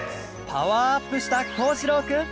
パワーアップしたこうじろうくん